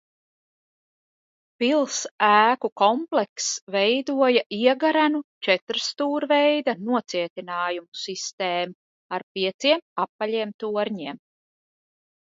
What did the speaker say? Pils ēku komplekss veidoja iegarenu četrstūrveida nocietinājumu sistēmu ar pieciem apaļiem torņiem.